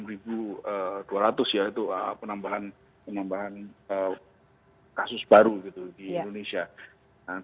itu dua ratus ya itu penambahan kasus baru gitu di indonesia